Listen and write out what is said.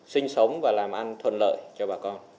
sinh sống và làm ăn thuận lợi cho bà con